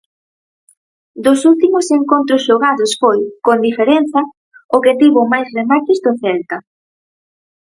Dos últimos encontros xogados foi, con diferenza, o que tivo máis remates do Celta.